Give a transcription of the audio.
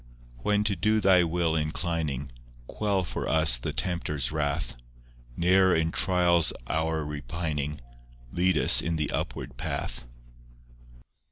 IV When to do Thy will inclining, Quell for us the tempter's wrath; Ne'er in trial's hour repining, Lead us in the upward path.